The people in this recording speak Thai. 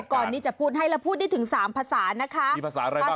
อุปกรณ์นี้จะพูดให้เราพูดได้ถึงสามภาษานะคะภาษาอะไรบ้าง